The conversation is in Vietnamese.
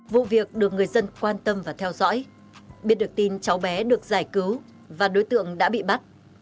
vụ việc được người dân quan tâm và theo dõi biết được tin cháu bé được giải cứu và đối tượng đã bị bắt